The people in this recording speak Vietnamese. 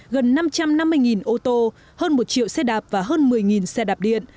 gần năm trăm năm mươi ô tô hơn một triệu xe đạp và hơn một mươi xe đạp điện